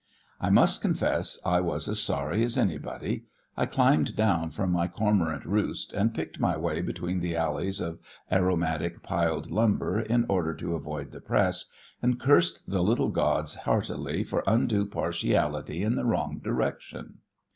I must confess I was as sorry as anybody. I climbed down from my cormorant roost, and picked my way between the alleys of aromatic piled lumber in order to avoid the press, and cursed the little gods heartily for undue partiality in the wrong direction.